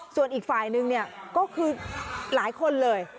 ส่วนอีกฝ่ายนึงเนี่ยก็คือหลายคนเลย